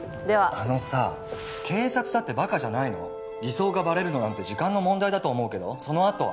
あのさ警察だってバカじゃないの偽装がバレるのなんて時間の問題だと思うけどそのあとは？